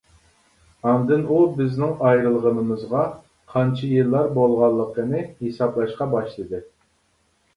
ئاندىن ئۇ بىزنىڭ ئايرىلغىنىمىزغا قانچە يىللار بولغانلىقىنى ھېسابلاشقا باشلىدى.